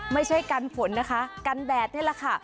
ไม่ใช่กันฝนนะคะกันแดดนี่แหละค่ะ